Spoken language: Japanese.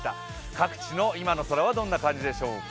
各地の今の空はどんな感じでしょうか。